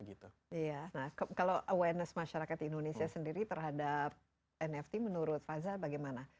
iya nah kalau awareness masyarakat indonesia sendiri terhadap nft menurut faza bagaimana